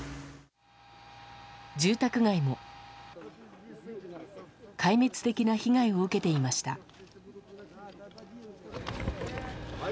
住宅街も壊滅的な被害を受けていました。